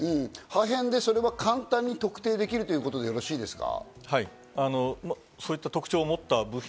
破片でそれは簡単に特定できるということでよろしいですか？